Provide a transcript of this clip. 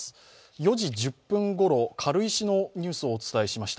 ４時１０分ごろ、軽石のニュースをお伝えしました。